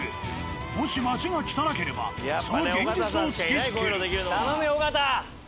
もし街が汚ければその現実を突きつける。